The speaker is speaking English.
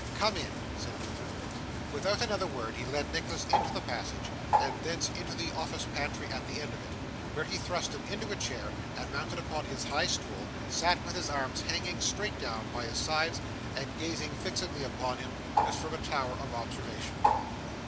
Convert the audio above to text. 'Come in,' said Newman. Without another word he led Nicholas into the passage, and thence into the official pantry at the end of it, where he thrust him into a chair, and mounting upon his high stool, sat, with his arms hanging, straight down by his sides, gazing fixedly upon him, as from a tower of observation.